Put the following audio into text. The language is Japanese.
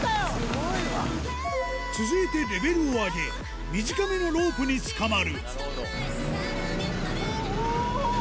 続いてレベルを上げ短めのロープにつかまるおぉ！